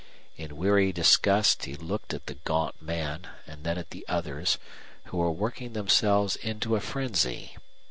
In weary disgust he looked at the gaunt man, and then at the others, who were working themselves into a frenzy.